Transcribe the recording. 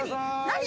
何？